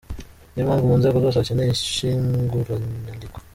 Niyo mpamvu mu nzego zose hakeneye ishyinguranyandiko.